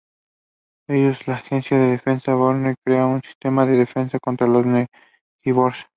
Ellos, la agencia de defensa "Border", crean un sistema de defensa contra los Neighbors.